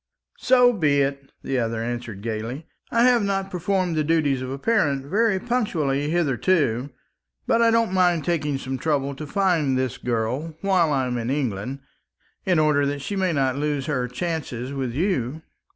"So be it," the other answered gaily. "I have not performed the duties of a parent very punctually hitherto; but I don't mind taking some trouble to find this girl while I am in England, in order that she may not lose her chances with you."